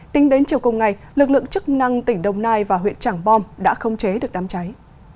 tính đến chiều cùng ngày lực lượng chức năng tỉnh đồng nai và huyện trảng bom đã không chế được đám cháy